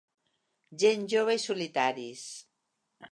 Gent jove i solitaris.